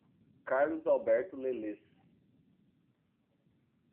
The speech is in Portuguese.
Carlos Alberto Leles